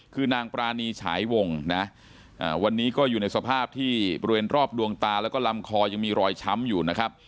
คือนางปรานีฉายวงนะวันนี้ก็อยู่ในสภาพที่บริเวณรอบดวงตาแล้วก็ลำคอยังมีรอยช้ำอยู่นะครับ